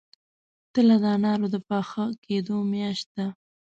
تله د انارو د پاخه کیدو میاشت ده.